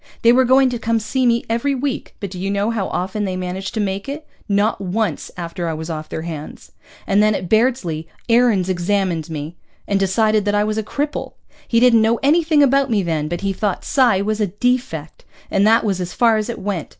They were going to come see me every week, but do you know how often they managed to make it? Not once after I was off their hands. And then at Bairdsley Aarons examined me and decided that I was a cripple. He didn't know anything about me then, but he thought psi was a defect. And that was as far as it went.